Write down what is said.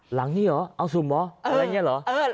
หลังนี้เหรอเอาสุ่มเหรออะไรอย่างนี้เหรอ